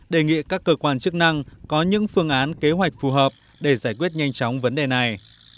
đề nghị các cơ quan chức năng có những phương án kế hoạch phù hợp để giải quyết nhanh chóng vấn đề này